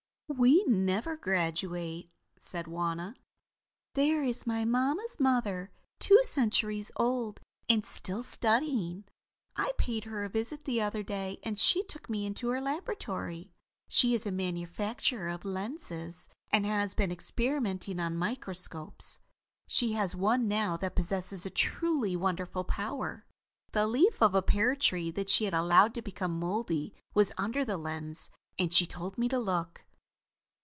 "We never graduate," said Wauna. "There is my mamma's mother, two centuries old, and still studying. I paid her a visit the other day and she took me into her laboratory. She is a manufacturer of lenses, and has been experimenting on microscopes. She has one now that possesses a truly wonderful power. The leaf of a pear tree, that she had allowed to become mouldy, was under the lens, and she told me to look.